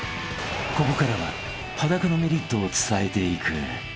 ［ここからは裸のメリットを伝えていく］